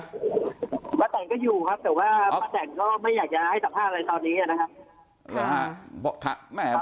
ป้าแตนก็อยู่ครับแต่ว่าป้าแตนก็ไม่อยากจะให้สัมภาษณ์อะไรตอนนี้นะครับ